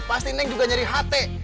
pasti neng juga nyari ht